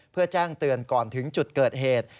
เพื่อแจ้งเตือนก่อนถึงจุดเกิดเหตุ